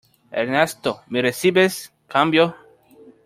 Ernesto ,¿ me recibes ? cambio .